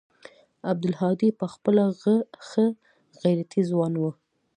عبدالهادي پخپله ښه غيرتي ځوان و.